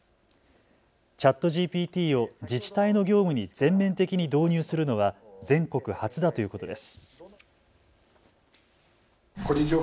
ＣｈａｔＧＰＴを自治体の業務に全面的に導入するのは全国初だということです。